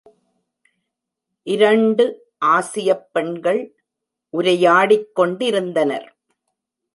இரண்டு ஆசியப் பெண்கள் உரையாடிக்கொண்டிருந்தனர்.